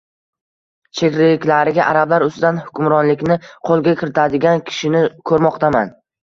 Sheriklariga: “Arablar ustidan hukmronlikni qo‘lga kiritadigan kishini ko‘rmoqdaman